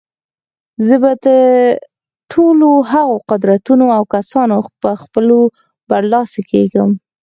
زه به د ټولو هغو قدرتونو او کسانو په خپلولو برلاسي کېږم.